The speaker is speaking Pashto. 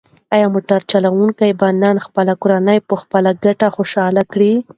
ایا موټر چلونکی به نن خپله کورنۍ په خپله ګټه خوشحاله کړي؟